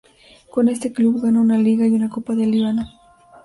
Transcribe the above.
Con este club gana una Liga y una Copa del Líbano.